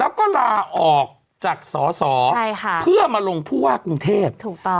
แล้วก็ลาออกจากสอสอเพื่อมาลงผู้ว่ากรุงเทพถูกต้อง